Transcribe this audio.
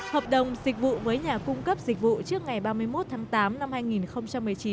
hợp đồng dịch vụ với nhà cung cấp dịch vụ trước ngày ba mươi một tháng tám năm hai nghìn một mươi chín